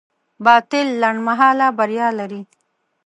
باطل لنډمهاله بریا لري.